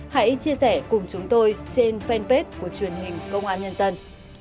hãy chia sẻ cùng chúng tôi trên fanpage của truyền hình công an nhân dân